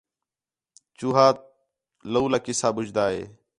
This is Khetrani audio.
چوہا تولا قصہ ٻُجھدا ہِے